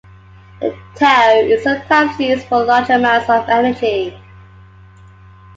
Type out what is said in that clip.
The "toe" is sometimes used for large amounts of energy.